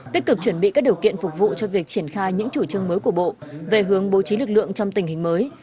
tích cực chuẩn bị các điều kiện phục vụ cho việc triển khai những chủ trương mới của bộ về hướng bố trí lực lượng trong tình hình mới